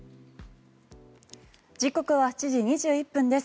時刻は７時２１分です。